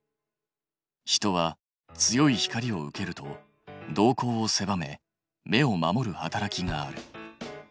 人は強い光を受けると瞳孔をせばめ目を守る働きがある。